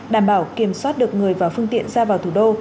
đảm bảo kiểm soát được người và phương tiện ra vào thủ đô